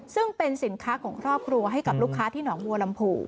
ซึ่งเป็นสินค้าของครอบครัวให้กับลูกค้าที่หนองบัวลำผู